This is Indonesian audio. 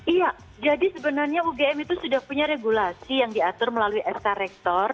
iya jadi sebenarnya ugm itu sudah punya regulasi yang diatur melalui sk rektor